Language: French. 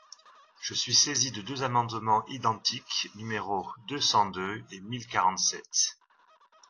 Je suis saisi de deux amendements identiques, numéros deux cent deux et mille quarante-sept.